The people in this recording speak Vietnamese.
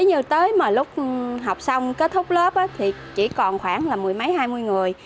như tới mà lúc học xong kết thúc lớp thì chỉ còn khoảng là mười mấy hai mươi người